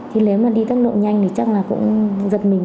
thì nếu mà đi tốc độ nhanh thì chắc là cũng giật mình